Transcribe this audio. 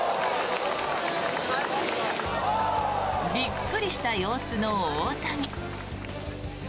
びっくりした様子の大谷。